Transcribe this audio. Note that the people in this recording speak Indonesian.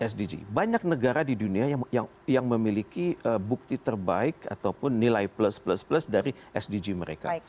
sdg banyak negara di dunia yang memiliki bukti terbaik ataupun nilai plus plus plus dari sdg mereka